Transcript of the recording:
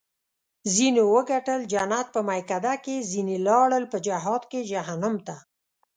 ځینو وګټل جنت په میکده کې ځیني لاړل په جهاد کې جهنم ته